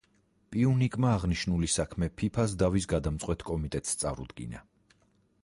პიუნიკმა აღნიშნული საქმე ფიფას დავის გადამწყვეტ კომიტეტს წარუდგინა.